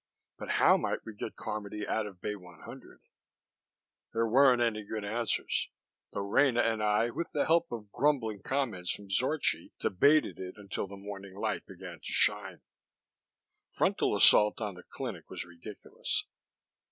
But how might we get Carmody out of Bay 100? There weren't any good answers, though Rena and I, with the help of grumbling comments from Zorchi, debated it until the morning light began to shine. Frontal assault on the clinic was ridiculous.